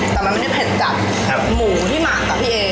แต่มันไม่ได้เผ็ดจากหมูที่หมักต่อพี่เอ